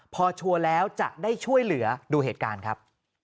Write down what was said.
พอชัวร์แล้วจะได้ช่วยเหลือดูเหตุการณ์ครับ